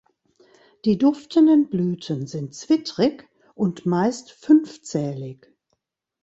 Die duftenden Blüten sind zwittrig und meist fünfzählig.